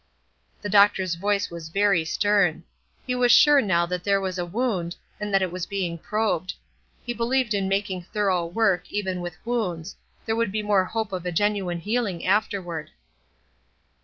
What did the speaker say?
The doctor's voice was very stern. He was sure now that there was a wound, and that it was being probed; he believed in making thorough work, even with wounds; there would be more hope of genuine healing afterward.